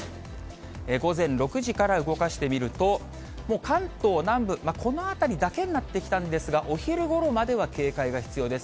午前６時から動かしてみると、もう関東南部、この辺りだけになってきたんですが、お昼ごろまでは警戒が必要です。